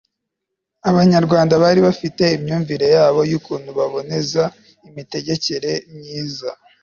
abanyarwanda bari bafite imyumvire yabo y'ukuntu baboneza imitegekere myiza